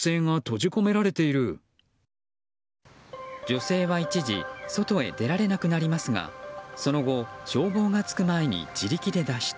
女性は一時外へ出られなくなりますがその後、消防が着く前に自力で脱出。